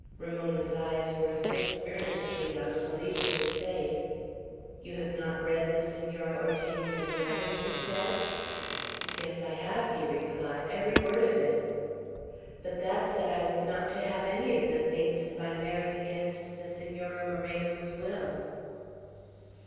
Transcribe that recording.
Ramona's eyes were fixed earnestly on Felipe's face. "You have not read the Senora Ortegna's letter?" she said. "Yes, I have," he replied, "every word of it." "But that said I was not to have any of the things if I married against the Senora Moreno's will."